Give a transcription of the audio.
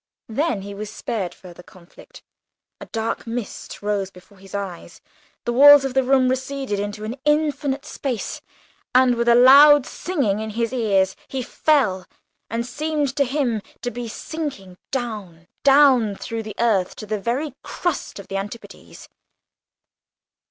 Then he was spared further conflict. A dark mist rose before his eyes; the walls of the room receded into infinite space; and, with a loud singing in his ears, he fell, and seemed to himself to be sinking down, down, through the earth to the very crust of the antipodes.